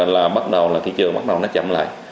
là bắt đầu là thị trường bắt đầu nó chậm lại